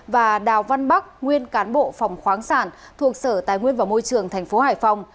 và đào văn bắc nguyên cán bộ phòng khoáng sản thuộc sở tài nguyên và môi trường tp hcm